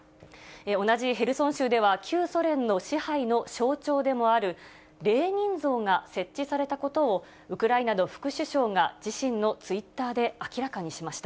同じヘルソン州では、旧ソ連の支配の象徴でもある、レーニン像が設置されたことを、ウクライナの副首相が自身のツイ